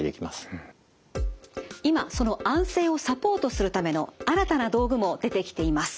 今その安静をサポートするための新たな道具も出てきています。